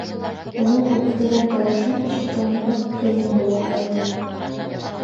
Уның үкһегән тауышын ишетеү ныҡ ҡыйын була Алиға.